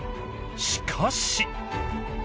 しかし！